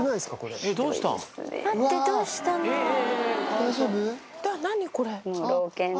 大丈夫？